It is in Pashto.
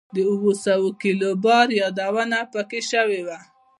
د اووه سوه کیلو بار یادونه په کې شوې وه.